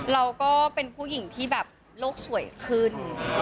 เราก็เป็นผู้หญิงที่แบบโลกสวยขึ้น